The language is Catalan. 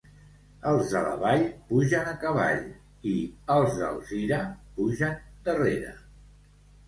Els de la Vall pugen a cavall i els d'Alzira pugen darrere.